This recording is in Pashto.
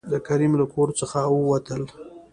د کريم له کور څخه ووتل.